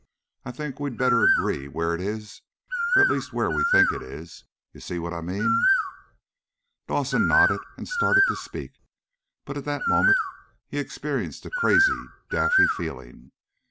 "I think we'd better agree where it is, or at least where we think it is. You see what I mean?" Dawson nodded, and started to speak, but at that moment he experienced a crazy, daffy feeling.